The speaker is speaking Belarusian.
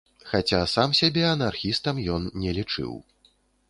Хаця сам сябе анархістам ён не лічыў.